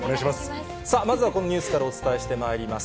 さあ、まずはこのニュースからお伝えしてまいります。